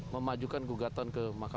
memajukan gugatan ke master